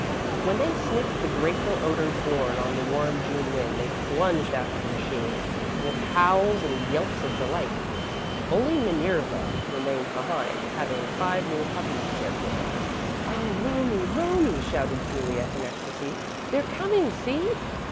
When they sniffed the grateful odour borne on the warm June wind, they plunged after the machine with howls and yelps of delight. Only Minerva remained behind, having five new puppies to care for. "Oh, Romie, Romie!" shouted Juliet, in ecstasy. "They're coming! See!"